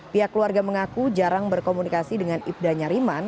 pihak keluarga mengaku jarang berkomunikasi dengan ibda nyariman